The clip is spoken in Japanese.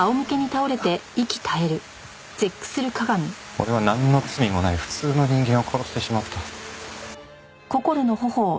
俺はなんの罪もない普通の人間を殺してしまった。